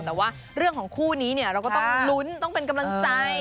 แต่ว่าเรื่องของคู่นี้เนี่ยเราก็ต้องลุ้นต้องเป็นกำลังใจ